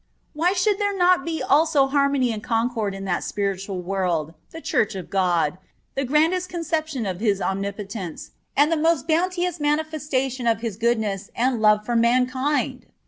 Why should there not be also harmony and concord in that spiritual world, the Church of God, the grandest conception of His omnipotence, and the most bounteous manifestation of His goodness and love for mankind!